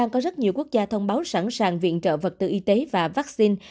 có rất nhiều quốc gia thông báo sẵn sàng viện trợ vật tư y tế và vaccine